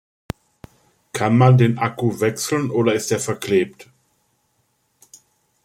Kann man den Akku wechseln, oder ist er verklebt?